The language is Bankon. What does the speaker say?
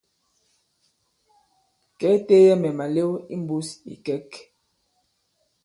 Kê teeyɛ mɛ̀ màlew i mbūs ì ìkɛ̌k.